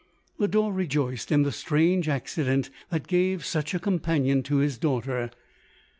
Lodore rejoiced in the strange accident that gave such a companion to his daughter.